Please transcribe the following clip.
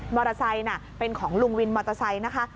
ไซค์เป็นของลุงวินมอเตอร์ไซค์นะคะ